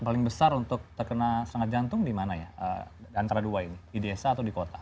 paling besar untuk terkena serangan jantung di mana ya antara dua ini di desa atau di kota